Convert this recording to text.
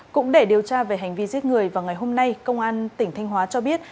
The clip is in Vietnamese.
cũng để điều tra về hành vi giết người vào ngày hôm nay công an tỉnh thanh hóa cho biết